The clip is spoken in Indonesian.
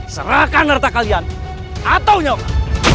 serahkan harta kalian atau nyoman